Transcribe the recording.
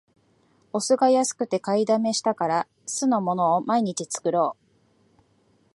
お酢が安くて買いだめしたから、酢の物を毎日作ろう